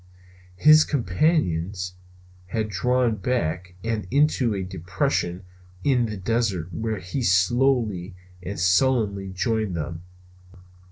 His companions had drawn back and into a depression in the desert where he slowly and sullenly joined them.